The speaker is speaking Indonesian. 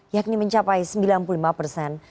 yakni mencapai sembilan puluh lima persen